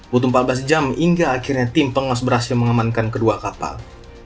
butuh empat belas jam hingga akhirnya tim pengawas berhasil mengamankan kedua kapal